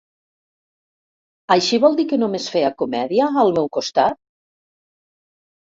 Així vol dir que només feia comèdia, al meu costat?